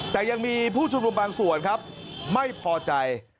แต่ยังมีผู้ชุมนุมบางส่วนครับไม่พอใจ